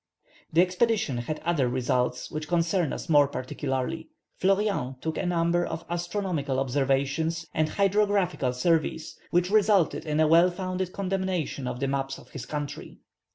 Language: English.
This expedition had other results which concern us more particularly. Fleurien took a number of astronomical observations, and hydrographical surveys, which resulted in a well founded condemnation of the maps of his country.